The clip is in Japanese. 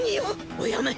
おやめ。